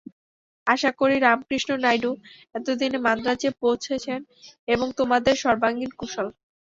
আশা করি, রামকৃষ্ণ নাইডু এতদিনে মান্দ্রাজে পৌঁছেছেন এবং তোমাদের সর্বাঙ্গীণ কুশল।